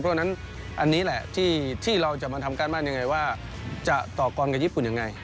เพราะฉะนั้นอันนี้แหละที่เราจะมาทำการบ้านยังไงว่าจะต่อกรกับญี่ปุ่นยังไง